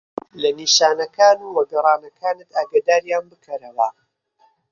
لە نیشانەکان و گەرانەکانت ئاگاداریان بکەرەوە.